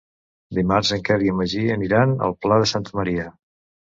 Dimarts en Quer i en Magí aniran al Pla de Santa Maria.